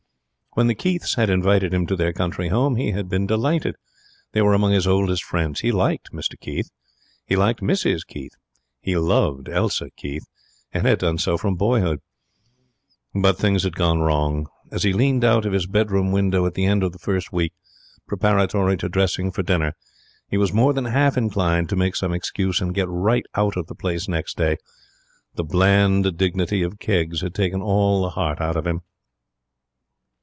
When the Keiths had invited him to their country home he had been delighted. They were among his oldest friends. He liked Mr Keith. He liked Mrs Keith. He loved Elsa Keith, and had done so from boyhood. But things had gone wrong. As he leaned out of his bedroom window at the end of the first week, preparatory to dressing for dinner, he was more than half inclined to make some excuse and get right out of the place next day. The bland dignity of Keggs had taken all the heart out of him.